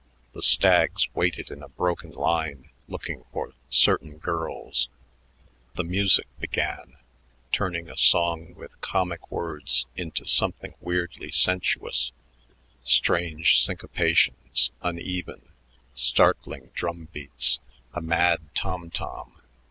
The stags waited in a broken line, looking for certain girls. The music began, turning a song with comic words into something weirdly sensuous strange syncopations, uneven, startling drum beats a mad tom tom.